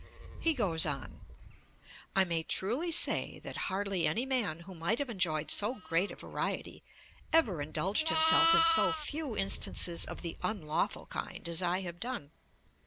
He goes on: 'I may truly say, that hardly any man who might have enjoyed so great a variety ever indulged himself in so few instances of the unlawful kind as I have done.'